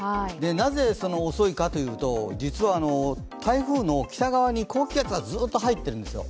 なぜその遅いかというと実は、台風の北川に高気圧がずっと入ってるんですよ。